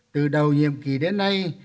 từ đầu nhiệm kỳ đến nay